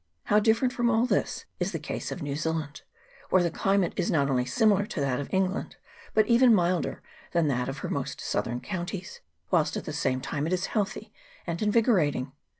How different from all this is the case of New Zealand, where the climate is not only similar to that of England, but even milder than that of her most southern counties, whilst at the same time it is healthy and invigorating